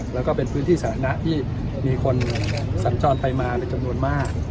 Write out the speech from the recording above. แล้วก็เป็นพื้นที่สาธารณะที่มีคนสัญจรไปมาเป็นจำนวนมาก